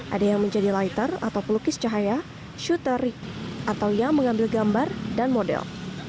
ada yang menjadi lighter atau pelukis cahaya shooter atau yang mengambil gambar dan model